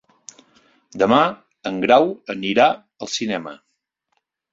Demà en Grau anirà al cinema.